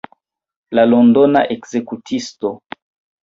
La Londona ekzekutisto.